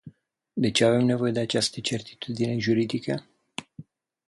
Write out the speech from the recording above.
De ce avem nevoie de această certitudine juridică?